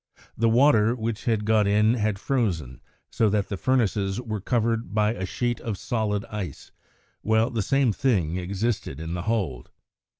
The water, which had got in, had frozen, so that the furnaces were covered in by a sheet of solid ice, while the same thing existed in the hold.